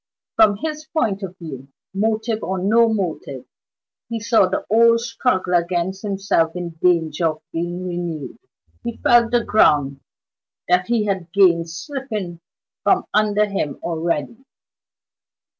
From his point of view motive or no motive he saw the old struggle against himself in danger of being renewed; he felt the ground that he had gained slipping from under him already.